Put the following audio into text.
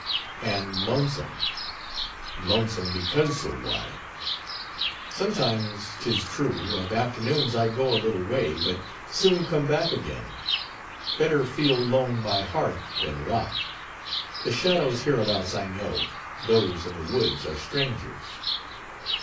"And lonesome; lonesome, because so wide. Sometimes, 'tis true, of afternoons, I go a little way; but soon come back again. Better feel lone by hearth, than rock. The shadows hereabouts I know—those in the woods are strangers."